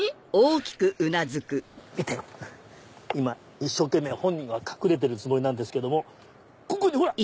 一生懸命本人は隠れてるつもりなんですけどもここに！